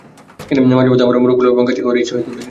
মাঝে মাঝে আমারও মোরগ পোলাও কিংবা কাচ্চি খাওয়ার ইচ্ছে হতেই পারে।